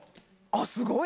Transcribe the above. すごい！